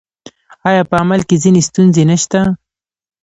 آیا په عمل کې ځینې ستونزې نشته؟